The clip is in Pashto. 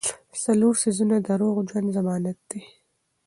څلور څيزونه د روغ ژوند ضمانت دي -